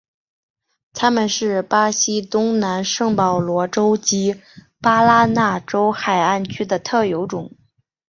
它们是巴西东南部圣保罗州及巴拉那州海岸区的特有种。